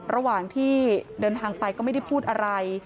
ระหว่างที่เดินทางไปก็ไม่ได้พูดอะไร